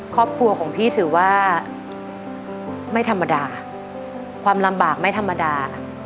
ครอบครัวของพี่ถือว่าไม่ธรรมดาความลำบากไม่ธรรมดา